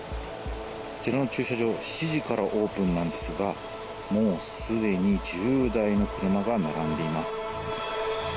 こちらの駐車場７時からオープンなんですがもうすでに１０台の車が並んでいます。